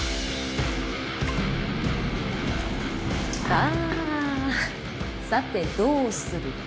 ああさてどうするか。